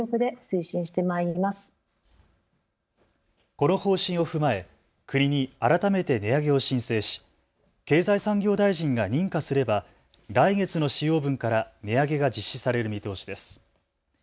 この方針を踏まえ国に改めて値上げを申請し経済産業大臣が認可すれば来月の使用分から値上げが実施される見通しです。